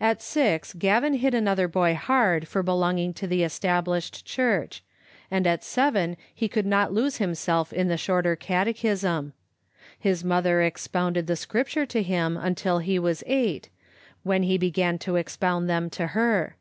At six Gavin hit another boy hard for belonging to the Established Church, and at seven he could not lose himself in the Shorter Catechism. His mother ex pounded the Scriptures to him till he was eight, when he began to expound them to her.